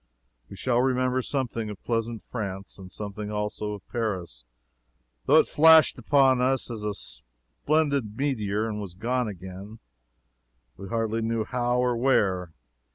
We shall remember something of pleasant France; and something also of Paris, though it flashed upon us a splendid meteor, and was gone again, we hardly knew how or where.